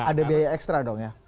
ada biaya ekstra dong ya